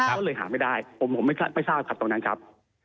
ก็เลยหาไม่ได้ผมไม่ทราบครับตรงนั้นครับ